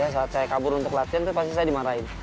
saat saya kabur untuk latihan itu pasti saya dimarahin